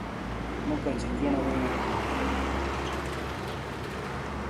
مو کچی کینو رونگیک ہوں.